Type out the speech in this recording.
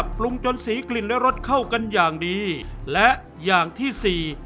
ปรุงจนสีกลิ่นและรสเข้ากันอย่างดีและอย่างที่สี่